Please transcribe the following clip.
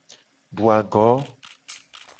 Du ago.